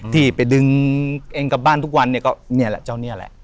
ที่ไปดึงเองกลับบ้านทุกวันเนี่ยก็นี่แหละเจ้านี่แหละ